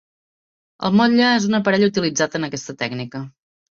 El motlle és un aparell utilitzat en aquesta tècnica.